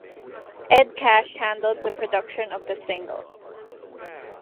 Ed Cash handled the production of the single.